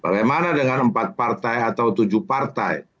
bagaimana dengan empat partai atau tujuh partai